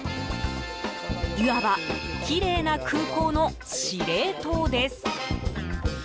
いわばきれいな空港の司令塔です。